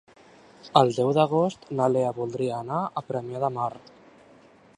El deu d'agost na Lea voldria anar a Premià de Mar.